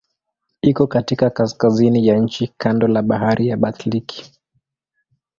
Iko katika kaskazini ya nchi kando la Bahari ya Baltiki.